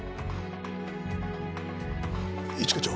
一課長。